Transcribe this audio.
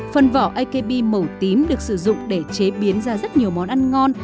phần vỏ akb màu tím được sử dụng để chế biến ra rất nhiều món ăn ngon